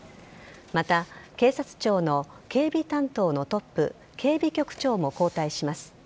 また、警察庁の警備担当のトップ警備局長も交代します。